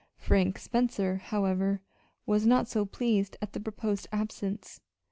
Frank Spencer, however, was not so pleased at the proposed absence.